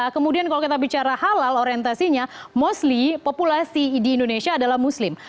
kemudian kalau kita bicara halal orientasinya mostly populasi di indonesia adalah muslim